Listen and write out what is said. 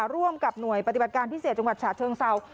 ร่วมกับหน่วยปฏิบัติการพิเศษจังหวัดฉะเชิงเศร้า